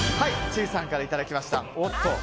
千里さんからいただきました。